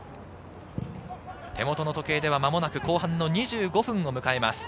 手元の時計では間もなく後半２５分を迎えます。